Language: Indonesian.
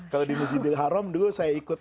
kalau di masjidil haram dulu saya ikut